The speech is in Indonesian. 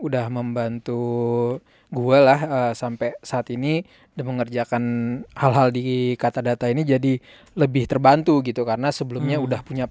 dua digitnya sih iya kayaknya